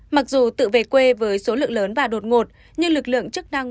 mặc dù tự về quê với số lượng lớn và đột ngột nhưng lực lượng chức năng